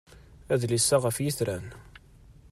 Adlis-a ɣef yitran.